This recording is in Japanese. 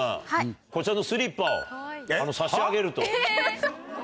こちらのスリッパを差し上げると。